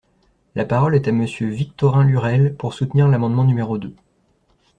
La parole est à Monsieur Victorin Lurel, pour soutenir l’amendement numéro deux.